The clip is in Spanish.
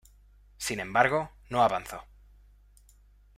Sin embargo, no avanzó.